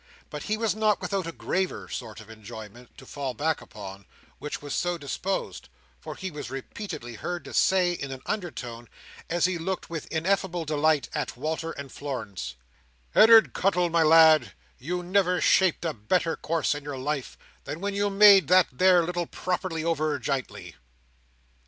But he was not without a graver source of enjoyment to fall back upon, when so disposed, for he was repeatedly heard to say in an undertone, as he looked with ineffable delight at Walter and Florence: "Ed'ard Cuttle, my lad, you never shaped a better course in your life, than when you made that there little property over, jintly!"